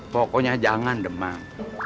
pokoknya jangan demang